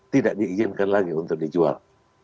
tidak diizinkan lagi untuk dijual